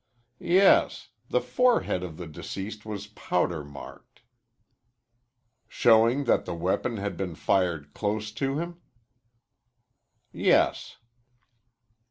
"Yes. The forehead of the deceased was powder marked." "Showing that the weapon had been fired close to him?" "Yes."